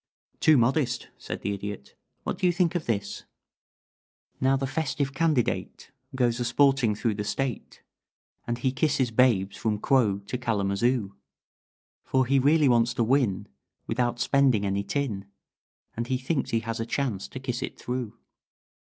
"Too modest," said the Idiot. "What do you think of this: "Now the festive candidate Goes a sporting through the State, And he kisses babes from Quogue to Kalamazoo; For he really wants to win Without spending any tin, And he thinks he has a chance to kiss it through."